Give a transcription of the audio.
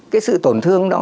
cái sự tổn thương đó